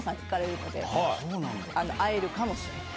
会えるかもしれない。